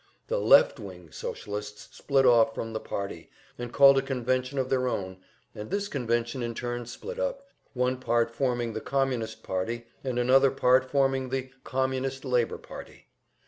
The "left wing" Socialists split off from the party, and called a convention of their own, and this convention in turn split up, one part forming the Communist Party, and another part forming the Communist Labor Party.